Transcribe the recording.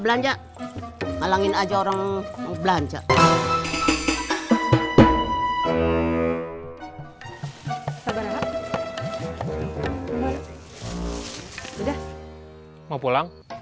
enggak ada yang nyebut